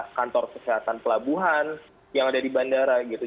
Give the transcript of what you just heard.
di kantor kesehatan pelabuhan yang ada di bandara gitu